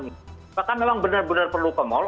maka memang benar benar perlu ke mall